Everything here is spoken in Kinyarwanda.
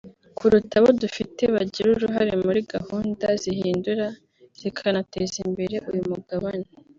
kuruta abo dufite bagira uruhare muri gahunda zihindura zikanateza imbere uyu mugabane